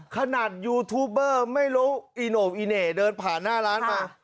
ขนาดยูทูบเบอร์ไม่รู้อีโน่อีเหน่เดินผ่านหน้าร้านมา